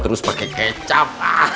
terus pake kecap